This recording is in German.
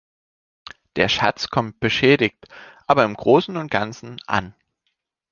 Der Schatz kommt beschädigt, aber im Großen und Ganzen an.